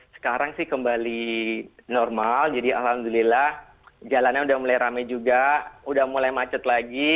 sekarang sih kembali normal jadi alhamdulillah jalannya udah mulai rame juga udah mulai macet lagi